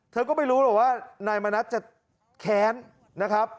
เธอก็ไม่รู้หรอกว่านายมณัฐจะแค้นนะครับ